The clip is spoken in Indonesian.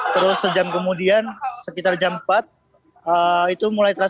terus sejam kemudian sekitar jam empat itu mulai terasa